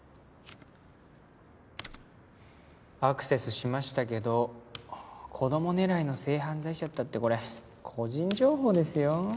アクセスしましたけど子供狙いの性犯罪者ったってこれ個人情報ですよ。